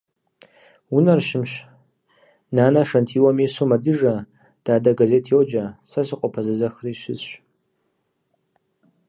Унэр щымщ. Нанэ шэнтиуэм ису мэдыжэ, дадэ газет йоджэ, сэ сыкъопэзэзэхыри сыщысщ.